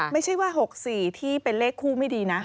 ไม่ใช่ว่า๖๔ที่เป็นเลขคู่ไม่ดีนะ